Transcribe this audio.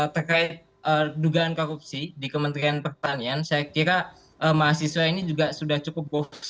hai baik terima kasih kesempatannya mbak nana pertama terkait dugaan korupsi di kementerian pertanian saya kira mahasiswa ini juga sudah cukup bagus